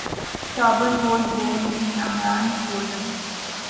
Shaban was born in Amman, Jordan.